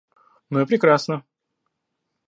Ну и прекрасно.